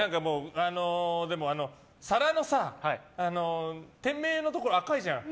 皿の店名のところ赤いじゃん。